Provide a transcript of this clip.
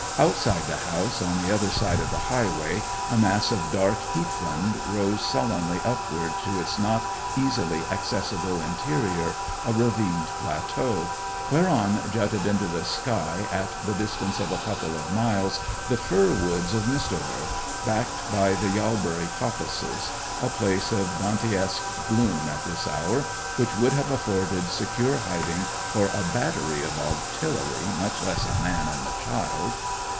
Outside the house, on the other side of the highway, a mass of dark heath land rose sullenly upward to its not easily accessible interior, a ravined plateau, whereon jutted into the sky, at the distance of a couple of miles, the fir woods of Mistover backed by the Yalbury coppices—a place of Dantesque gloom at this hour, which would have afforded secure hiding for a battery of artillery, much less a man and a child.